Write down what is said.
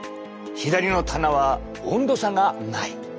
左の棚は温度差がない。